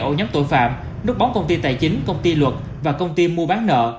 ổ nhóm tội phạm nút bóng công ty tài chính công ty luật và công ty mua bán nợ